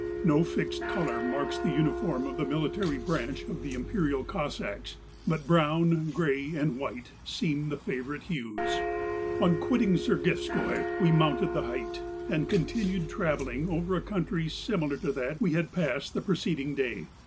''^ No fixed colour marks the uni¬ form of the military branch of the imperial Cossacks, but brown, grey, and white, seem the favourite hues. On quitting Zergifskoy we mounted the height, and continued travelling over a country similar to that we had passed the preceding day.